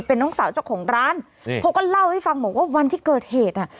เป็นน้องสาวเจ้าของร้านนี่เขาก็เล่าให้ฟังบอกว่าวันที่เกิดเหตุอ่ะ